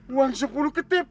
uang sepuluh ketep